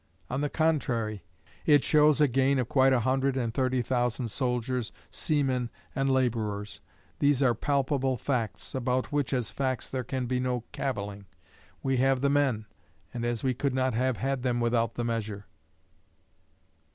On the contrary, it shows a gain of quite a hundred and thirty thousand soldiers, seamen, and laborers. These are palpable facts, about which, as facts, there can be no cavilling. We have the men; and as we could not have had them without the measure.